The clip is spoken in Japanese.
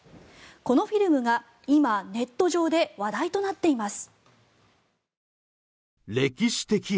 このフィルムが今、ネット上で話題となっています。